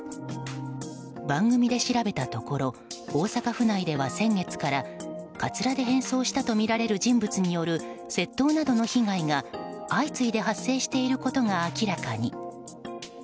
番組で調べたところ大阪府内では先月からカツラで変装したとみられる人物による窃盗などの被害が相次いで発生していることが明らかに。